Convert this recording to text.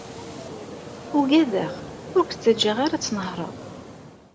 Ugadeɣ ur k-ttaǧǧaɣ ara ad tnehreḍ.